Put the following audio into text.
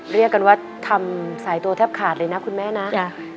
เรียกกันว่าทำสายตัวแทบขาดเลยนะคุณแม่นะ